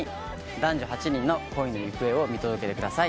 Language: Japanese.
男女８人の恋の行方を見届けてください。